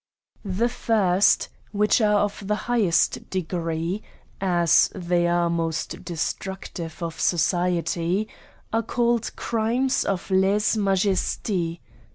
The first, which are of the highest degree, as they are most destructive to society, are called crimes o{ leze majesty.